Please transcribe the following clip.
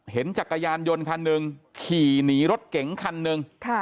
จักรยานยนต์คันหนึ่งขี่หนีรถเก๋งคันหนึ่ง